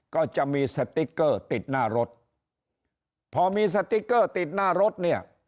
ก็จะมีสติ๊กเกอร์ติดหน้ารถพอมีสติ๊กเกอร์ติดหน้ารถเนี่ย